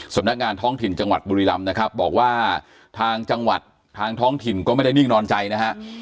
สำนักงานท้องถิ่นจังหวัดบุรีรำนะครับบอกว่าทางจังหวัดทางท้องถิ่นก็ไม่ได้นิ่งนอนใจนะฮะ